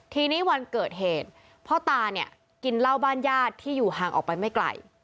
ทีนี้วันเกิดเหตุพ่อตาเนี่ยกินเหล้าบ้านญาติที่อยู่ห่างออกไปไม่ไกล